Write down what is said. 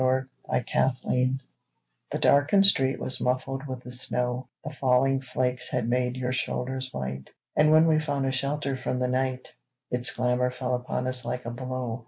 IN A RESTAURANT THE darkened street was muffled with the snow, The falling flakes had made your shoulders white, And when we found a shelter from the night Its glamor fell upon us like a blow.